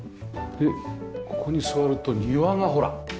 ここに座ると庭がほら。